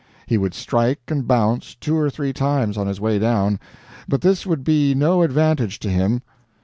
He would strike and bounce, two or three times, on his way down, but this would be no advantage to him.